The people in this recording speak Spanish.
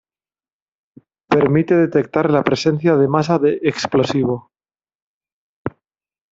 Permite detectar la presencia de masa de explosivo.